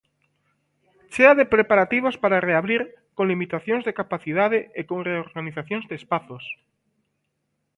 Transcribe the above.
Chea de preparativos para reabrir, con limitacións de capacidade e con reorganización de espazos.